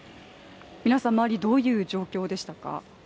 皆さん、周り、どういう状況でしたか？